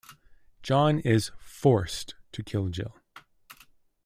John is forced to kill Jill.